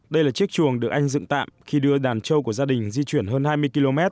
đây là chiếc chuồng được anh dựng tạm khi đưa đàn trâu của gia đình di chuyển hơn hai mươi km